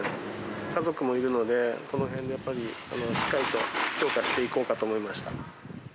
家族もいるので、このへんでやっぱり、しっかりと強化していこうかと思いました。